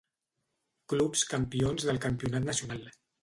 Clubs campions del campionat nacional.